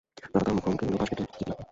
তারা তাঁর মুখোমুখি হলেই পাশ কেটে যেতে লাগল।